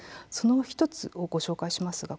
その１つをご紹介します。